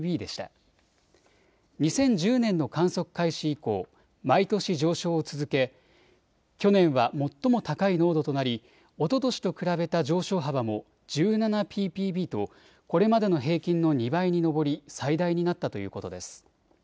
２０１０年の観測開始以降、毎年、上昇を続け去年は最も高い濃度となりおととしと比べた上昇幅も１７ｐｐｂとこれまでの平均の２倍に上り最大になったということです。